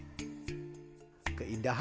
keindahan kopi yang terbaik di dunia